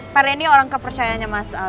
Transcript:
pak randy orang kepercayanya mas al